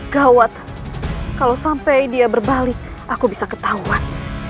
gawat kalau sampai dia berbalik aku bisa ketahuan